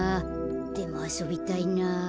でもあそびたいな。